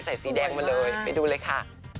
สีแดงมาเลยไปดูเลยค่ะ